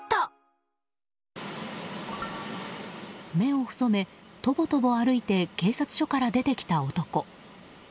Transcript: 目を細めとぼとぼ歩いて警察署から出てきた男。